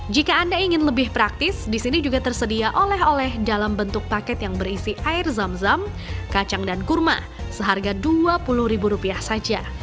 jika anda ingin lebih praktis disini juga tersedia oleh oleh dalam bentuk paket yang berisi air zam zam kacang dan kurma seharga dua puluh ribu rupiah saja